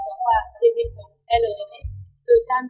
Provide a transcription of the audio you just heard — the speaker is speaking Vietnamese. giới thiệu dịch giáo khoa trên hệ thống lms